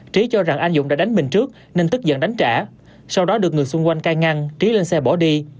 trí cho rằng anh dũng đã đánh mình trước nên tức giận đánh trả sau đó được người xung quanh ca ngăn trí lên xe bỏ đi